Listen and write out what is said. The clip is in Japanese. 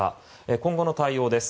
今後の対応です。